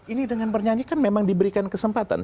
ini dengan bernyanyi kan memang diberikan kesempatan